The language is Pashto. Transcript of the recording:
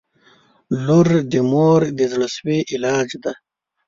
• لور د مور د زړسوي علاج دی.